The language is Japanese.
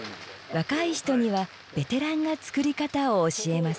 若い人にはベテランが作り方を教えます。